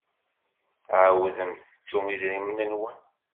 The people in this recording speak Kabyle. Tɛawdem tettum idrimen-nwen.